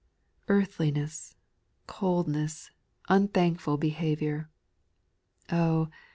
Earthliness, coldness, unthankful behaviour; Oh